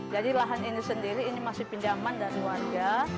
jadi lahan ini sendiri ini masih pinjaman dari warga